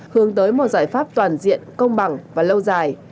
hướng tới một giải pháp toàn diện công bằng và lâu dài